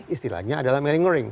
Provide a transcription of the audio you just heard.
istilahnya adalah malingering